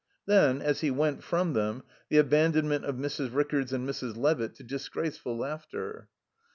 Then, as he went from them, the abandonment of Mrs. Rickards and Mrs. Levitt to disgraceful laughter.